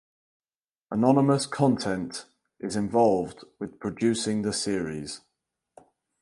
Anonymous Content is involved with producing the series.